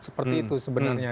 seperti itu sebenarnya